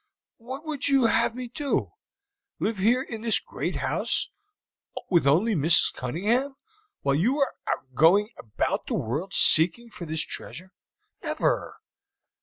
"What would you have me do? Live here in this great house, with only Mrs. Cunningham, while you are going about the world seeking for this treasure? Never!"